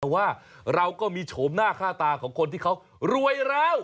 แต่ว่าเราก็มีโฉมหน้าค่าตาของคนที่เขารวยแล้ว